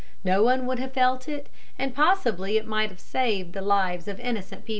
No one would have felt it, and possibly it might have saved the lives of innocent people.